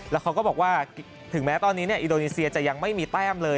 แล้วเขาก็บอกว่าถึงแม้ตอนนี้อินโดนีเซียจะยังไม่มีแต้มเลย